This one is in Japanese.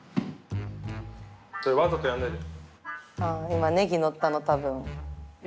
わざとやんないで。